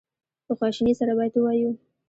په خواشینی سره باید ووایو.